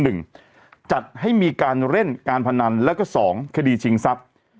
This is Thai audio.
จัดให้มีการเล่นการพนันแล้วก็สองคดีชิงทรัพย์